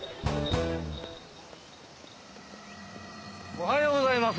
おはようございます。